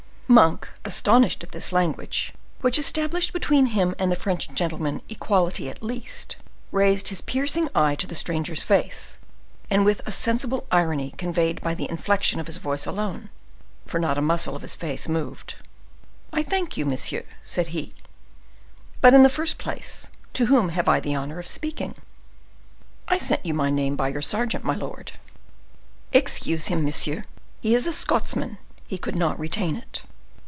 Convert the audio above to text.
Monk, astonished at this language, which established between him and the French gentleman equality at least, raised his piercing eye to the stranger's face, and with a sensible irony conveyed by the inflection of his voice alone, for not a muscle of his face moved,—"I thank you, monsieur," said he; "but, in the first place, to whom have I the honor of speaking?" "I sent you my name by your sergeant, my lord." "Excuse him, monsieur, he is a Scotsman,—he could not retain it."